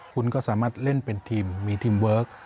คุณก็สามารถเล่นเป็นทีมมีทีมเวิร์ค